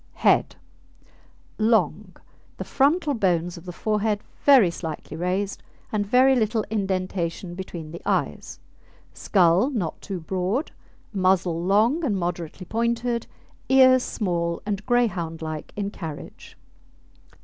HEAD Long, the frontal bones of the forehead very slightly raised and very little indentation between the eyes. Skull not too broad; muzzle long and moderately pointed; ears small and Greyhound like in carriage.